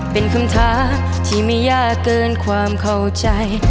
เป็นคำท้าที่ไม่ยากเกินความเข้าใจ